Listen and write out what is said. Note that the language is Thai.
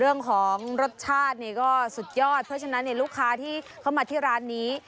เรื่องของรสชาตินี่ก็สุดยอดเพราะฉะนั้นลูกค้าที่เข้ามาที่ร้านนี้